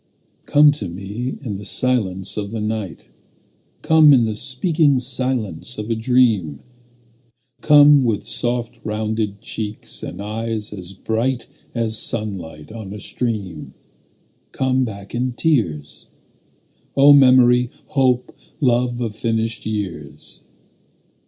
Come to me in the silence of the night; Come in the speaking silence of a dream; Come with soft rounded cheeks and eyes as bright As sunlight on a stream; Come back in tears, O memory, hope, love of finished years.